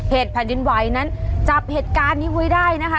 แผ่นดินไหวนั้นจับเหตุการณ์นี้ไว้ได้นะคะ